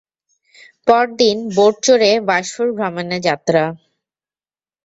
পরদিন বোট চড়ে বাস্ফোর ভ্রমণে যাত্রা।